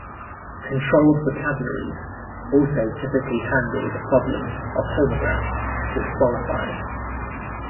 Controlled vocabularies also typically handle the problem of homographs, with qualifiers.